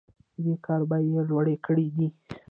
دې کار بیې لوړې کړي دي.